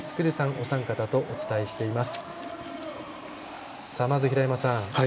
お三方とお伝えしています。